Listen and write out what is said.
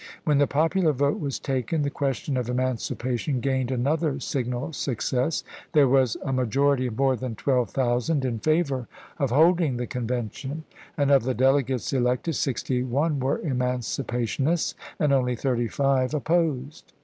When the popular vote was taken, the question of emanci pation gained another signal success. There was a majority of more than twelve thousand in favor of holding the Convention ; and of the delegates elected, sixty one were emancipationists, and only thirty five opposed.